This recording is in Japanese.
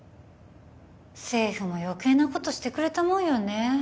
政府も余計なことしてくれたもんよね